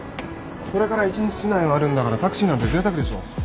これから一日市内を回るんだからタクシーなんてぜいたくでしょう。